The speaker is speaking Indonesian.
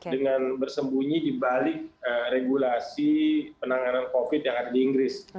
dengan bersembunyi di balik regulasi penanganan covid yang ada di inggris